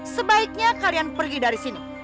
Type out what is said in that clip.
sebaiknya kalian pergi dari sini